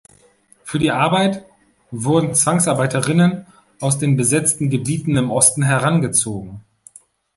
Für die Arbeit wurden Zwangsarbeiterinnen aus den besetzten Gebieten im Osten herangezogen.